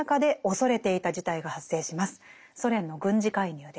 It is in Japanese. ソ連の軍事介入です。